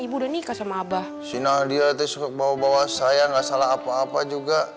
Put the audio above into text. ibu dan nikah sama abah si nadia t shirt bawa bawa saya enggak salah apa apa juga